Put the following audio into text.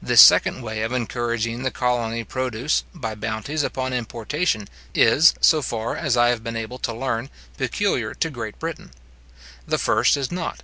This second way of encouraging the colony produce, by bounties upon importation, is, so far as I have been able to learn, peculiar to Great Britain: the first is not.